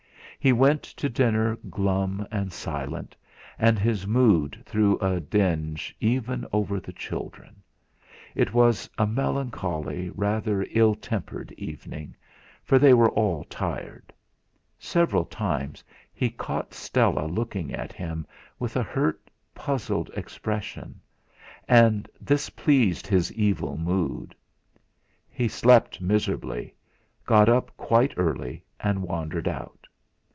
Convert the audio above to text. He went to dinner glum and silent, and his mood threw a dinge even over the children. It was a melancholy, rather ill tempered evening, for they were all tired; several times he caught Stella looking at him with a hurt, puzzled expression, and this pleased his evil mood. He slept miserably; got up quite early, and wandered out.